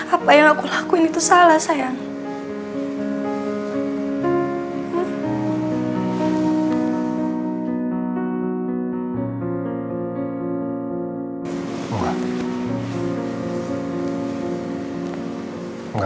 apa yang aku lakuin itu salah sayang